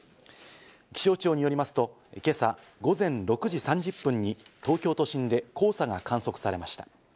気象庁によりますと今朝、午前６時３０分に東京都心で黄砂が観測されました。